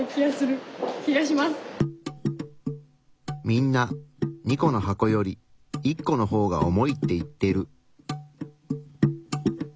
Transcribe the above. みんな２個の箱より１個の方が重いって言ってる。